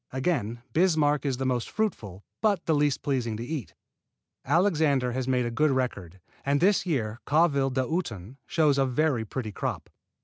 Again Bismarck is the most fruitful, but the least pleasing to eat. Alexander has made a good record, and this year Calville d'Automne shows a very pretty crop.